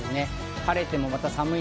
晴れてもまた寒い。